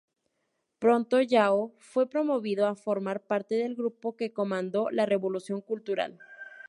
Pronto Yao fue promovido a formar parte del grupo que comandó la Revolución Cultural.